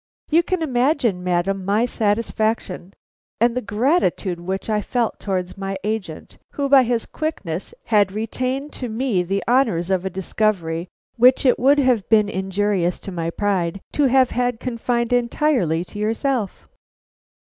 You can imagine, madam, my satisfaction, and the gratitude which I felt towards my agent, who by his quickness had retained to me the honors of a discovery which it would have been injurious to my pride to have had confined entirely to yourself."